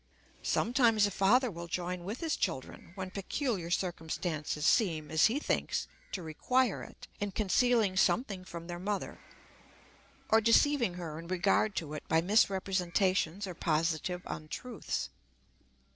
Sometimes a father will join with his children, when peculiar circumstances seem, as he thinks, to require it, in concealing something from their mother, or deceiving her in regard to it by misrepresentations or positive untruths.